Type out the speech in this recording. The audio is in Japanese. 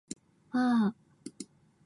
わー